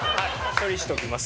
処理しておきます。